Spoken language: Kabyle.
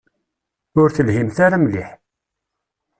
Ur telhimt ara mliḥ.